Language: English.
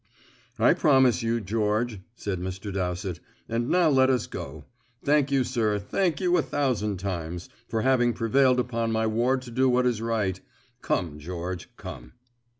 "I promise you, George," said Mr. Dowsett; "and now let us go. Thank you, sir, thank you a thousand times, for having prevailed upon my ward to do what is right. Come, George, come."